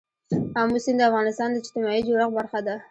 آمو سیند د افغانستان د اجتماعي جوړښت برخه ده.